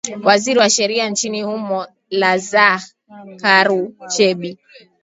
waziri wa sheria nchini humo la zah karu chebi